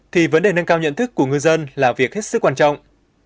thì vấn đề nâng cao nhận thức của ngư dân là việc hết sức quan trọng